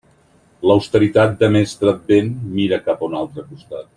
L'austeritat de mestre Advent mira cap a un altre costat.